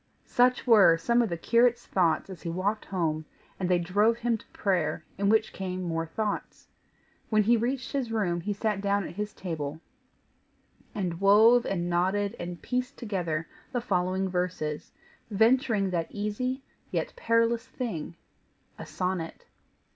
Such were some of the curate's thoughts as he walked home, and they drove him to prayer, in which came more thoughts. When he reached his room he sat down at his table, and wove and knotted and pieced together the following verses, venturing that easy yet perilous thing, a sonnet.